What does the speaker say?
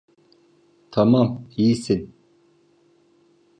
Tamam, iyisin.